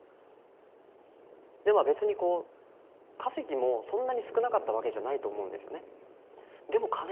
でまあ別にこう稼ぎもそんなに少なかったわけじゃないと思うんですよね。